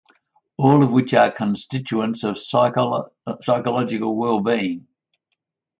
All of which are constituents of psychological wellbeing.